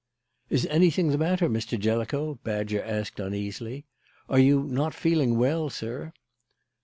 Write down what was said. "Is anything the matter, Mr. Jellicoe?" Badger asked uneasily. "Are you not feeling well, sir?"